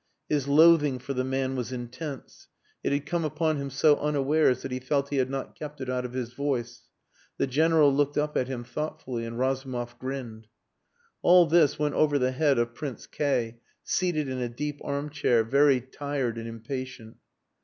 His loathing for the man was intense. It had come upon him so unawares that he felt he had not kept it out of his voice. The General looked up at him thoughtfully, and Razumov grinned. All this went over the head of Prince K seated in a deep armchair, very tired and impatient.